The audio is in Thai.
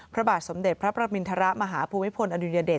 พระบาทสมเด็จพระประมินทรมาฮภูมิพลอดุญเดช